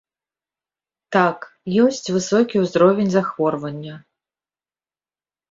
Так, ёсць высокі ўзровень захворвання.